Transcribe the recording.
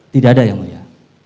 tidak ada yang mulia